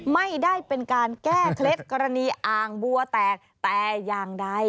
ไม่ได้เป็นการแก้เคล็ดกรณีอ่างบัวแตกแต่อย่างใด